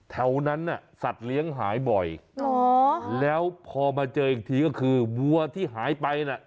แถวนั้นน่ะสัตว์เลี้ยงหายบ่อยแล้วพอมาเจออีกทีก็คือวัวที่หายไปน่ะ